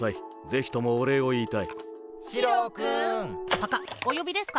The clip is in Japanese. パカッおよびですか？